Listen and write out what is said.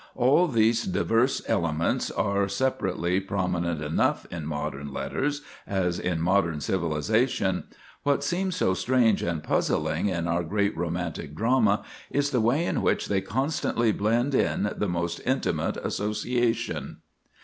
All these diverse elements are, separately, prominent enough in modern letters, as in modern civilization; what seems so strange and puzzling in our great romantic drama is the way in which they constantly blend in the most intimate association.